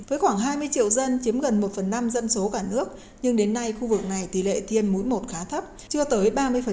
với khoảng hai mươi triệu dân chiếm gần một phần năm dân số cả nước nhưng đến nay khu vực này tỷ lệ tiêm mũi một khá thấp chưa tới ba mươi